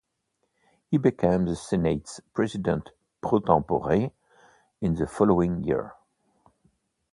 He became the Senate's President "pro tempore" in the following year.